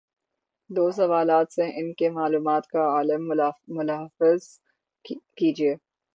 دو سوالات سے ان کی معلومات کا عالم ملاحظہ کیجیے۔